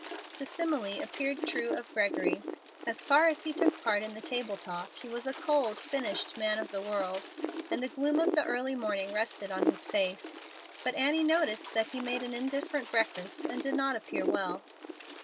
The simile appeared true of Gregory. As far as he took part in the table talk he was a cold, finished man of the world, and the gloom of the early morning rested on his face. But Annie noticed that he made an indifferent breakfast and did not appear well.